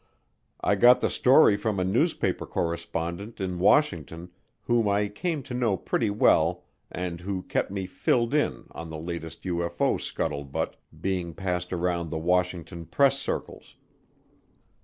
I got the story from a newspaper correspondent in Washington whom I came to know pretty well and who kept me filled in on the latest UFO scuttlebutt being passed around the Washington press circles.